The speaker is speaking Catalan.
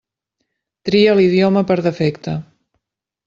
Tria l'idioma per defecte.